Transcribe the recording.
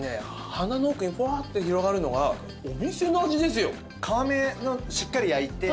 鼻の奥にホワッて広がるのがお店の味ですよ！